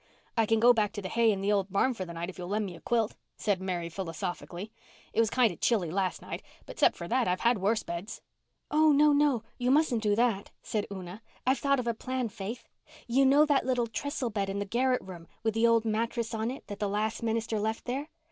"I can go back to the hay in the old barn for the night if you'll lend me a quilt," said Mary philosophically. "It was kind of chilly last night, but 'cept for that I've had worse beds." "Oh, no, no, you mustn't do that," said Una. "I've thought of a plan, Faith. You know that little trestle bed in the garret room, with the old mattress on it, that the last minister left there?